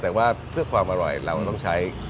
แต่ว่าเพื่อความอร่อยเราต้องใช้